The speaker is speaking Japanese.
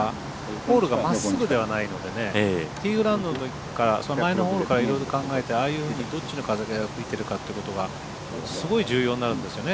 ホールがまっすぐではないのでティーグラウンドのところから前のホールからいろいろ考えてああいうふうにどっちに風が寄って吹いているかということがすごい重要になるんですよね